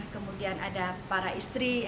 kemudian ada para istri